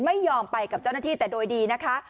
ไม่ยอมไปกับเจ้าหน้าที่แต่โดยดีนะคะ